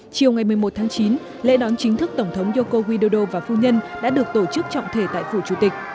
chiều ngày một mươi một tháng chín lễ đón chính thức tổng thống yoko widodo và phu nhân đã được tổ chức trọng thể tại phủ chủ tịch